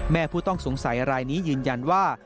ผู้ต้องสงสัยรายนี้ยืนยันว่า